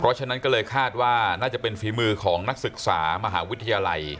เพราะฉะนั้นก็เลยคาดว่าน่าจะเป็นฝีมือของนักศึกษามหาวิทยาลัย